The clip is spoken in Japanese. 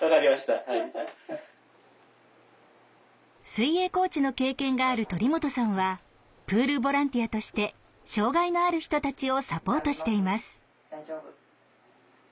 水泳コーチの経験がある鳥本さんはプールボランティアとして障がいのある人たちをサポートしています。